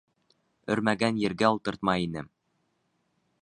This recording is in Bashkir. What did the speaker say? Өрмәгән ергә ултыртмай ине.